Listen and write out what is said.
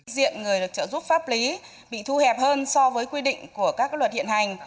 diện người được trợ giúp pháp lý bị thu hẹp hơn so với quy định của các luật hiện hành